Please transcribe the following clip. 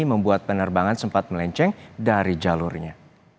membuat penerbangan sempat melenceng dari jalurnya